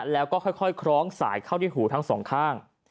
แล้วก็ค่อยคล้องสายเข้าที่หูทั้งสองข้าง